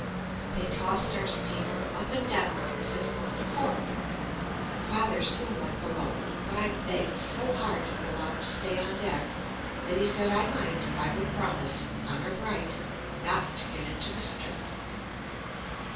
They tossed our steamer up and down as if it were a cork, and Father soon went below, but I begged so hard to be allowed to stay on deck that he said I might if I would promise, "honour bright," not to get into mischief.